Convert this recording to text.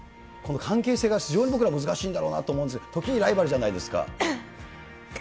この関係性が、非常に僕ら、難しいかなと思うんですが、時にライバルじゃないですか。